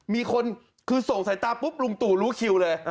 มีคนคือส่งสายตาปุ๊บลุงตู่รู้คิวเลย